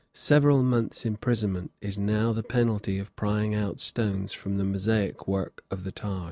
Several months' imprisonment is now the penalty of prying out stones from the mosaic work of the Taj.